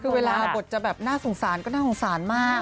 คือเวลาบทจะแบบน่าสงสารก็น่าสงสารมาก